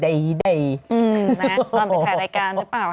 ตอนไปถ่ายรายการหรือเปล่า